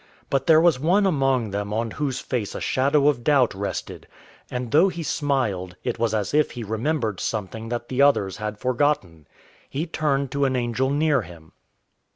But there was one among them on whose face a shadow of doubt rested, and though he smiled, it was as if he remembered something that the others had forgotten. He turned to an angel near him.